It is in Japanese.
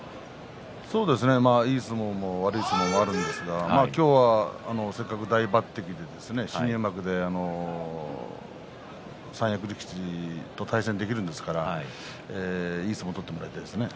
いい相撲、悪い相撲もありますが今日はせっかく大抜てきで新入幕で三役力士と対戦できるんですからいい相撲を取ってもらいたいです。